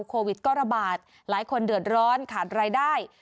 โควิดก็ระบาดหลายคนเดือดร้อนขาดรายได้